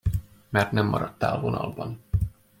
Mert nem maradtál vonalban.